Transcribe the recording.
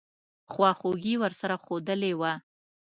خواخوږي ورسره ښودلې وه.